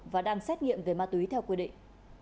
và đang xét nghiệm về ma túy theo quy định